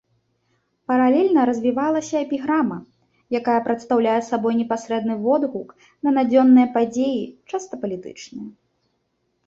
Паралельна развівалася эпіграма, якая прадстаўляе сабой непасрэдны водгук на надзённыя падзеі, часта палітычныя.